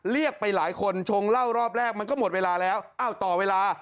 เรียกไปหลายคนชงเหล้ารอบแรกมันก็หมดเวลาแล้วอ้าวต่อเวลา